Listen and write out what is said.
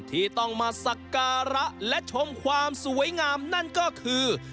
ที่ต้องมาสักการะและชมความสวยงามนั่นก็คือ